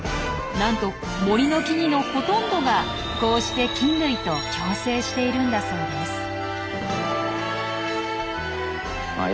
なんと森の木々のほとんどがこうして菌類と「共生」しているんだそうです。